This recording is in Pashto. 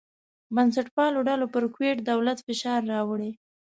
بنسټپالو ډلو پر کویت دولت فشار راوړی.